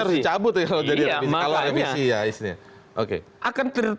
revisinya harus dicabut